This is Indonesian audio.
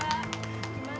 terima kasih ya pak ya